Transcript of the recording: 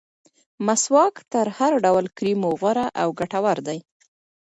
مسواک تر هر ډول کریمو غوره او ګټور دی.